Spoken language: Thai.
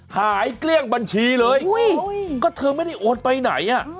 เกลี้ยงบัญชีเลยก็เธอไม่ได้โอนไปไหนอ่ะ